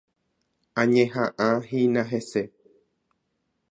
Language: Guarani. Añeha'ãhína hese.